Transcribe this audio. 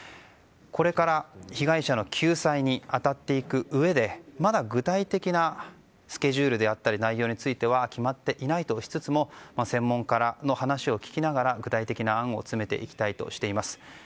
これから被害者の救済に当たっていくうえでまだ具体的なスケジュールであったり、内容は決まっていないとしつつも専門家らの話を聞きながら具体的な案を詰めていきたいとしています。